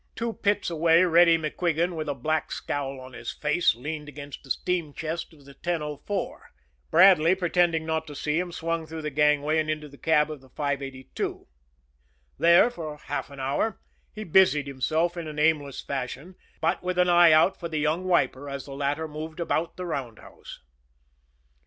Two pits away, Reddy MacQuigan, with a black scowl on his face, leaned against the steam chest of the 1004. Bradley, pretending not to see him, swung through the gangway and into the cab of the 582. There, for half an hour, he busied himself in an aimless fashion; but with an eye out for the young wiper, as the latter moved about the roundhouse.